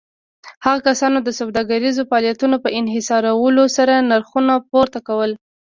هغو کسانو د سوداګريزو فعاليتونو په انحصارولو سره نرخونه پورته کول.